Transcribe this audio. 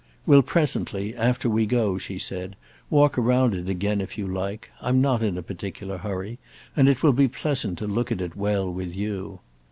"We'll presently, after we go," she said, "walk round it again if you like. I'm not in a particular hurry, and it will be pleasant to look at it well with you."